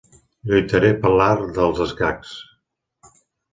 Lluitaré per l'art dels escacs.